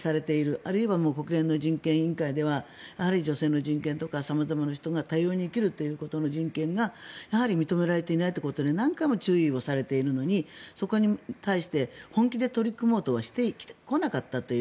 あるいは国連の人権委員会では女性の人権とか様々な人が多様に生きるということの人権が認められていないということで何回も注意されているのにそこに対して本気で取り組もうとはしてこなかったという。